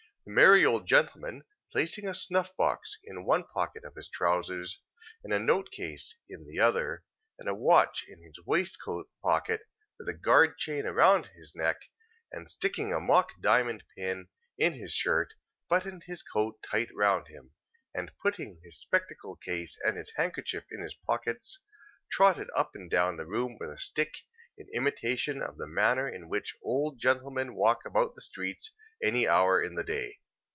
The merry old gentleman, placing a snuff box in one pocket of his trousers, a note case in the other, and a watch in his waistcoat pocket, with a guard chain round his neck, and sticking a mock diamond pin in his shirt: buttoned his coat tight round him, and putting his spectacle case and handkerchief in his pockets, trotted up and down the room with a stick, in imitation of the manner in which old gentlemen walk about the streets any hour in the day.